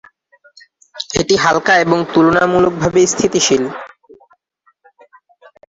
এটি হালকা এবং তুলনামূলকভাবে স্থিতিশীল।